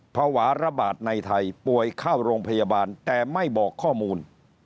ภาวะระบาดในไทยป่วยเข้าโรงพยาบาลแต่ไม่บอกข้อมูล